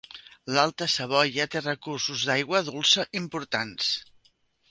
L'Alta Savoia té recursos d'aigua dolça importants.